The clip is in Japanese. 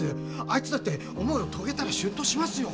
あいつだって思いを遂げたら出頭しますよ。